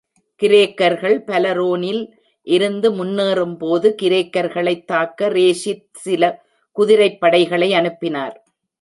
கிரேக்கர்கள் பலேரோனில் இருந்து முன்னேறும்போது, கிரேக்கர்களைத் தாக்க ரேஷித் சில குதிரைப்படைகளை அனுப்பினார்.